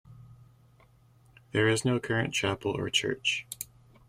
There is no current chapel or church.